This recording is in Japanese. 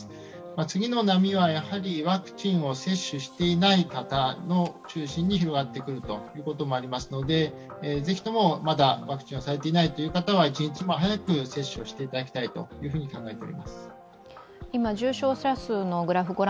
次の波はワクチンを接種していない方を中心に広がってくるということもありますのでぜひともまだワクチンをされていない方は一日も早く接種をしていただきたいと考えております。